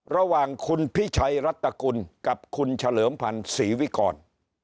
ระหว่างคุณพิชัยรัฐกุลกับคุณเฉลิมพันธ์ศรีวิกร